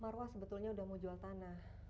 marwah sebetulnya udah mau jual tanah